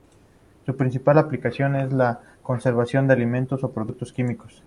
Su principal aplicación es en la conservación de alimentos o productos químicos.